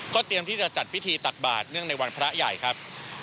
เตรียมที่จะจัดพิธีตักบาทเนื่องในวันพระใหญ่ครับ